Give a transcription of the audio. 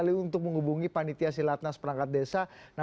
lihat dulu programnya seperti apa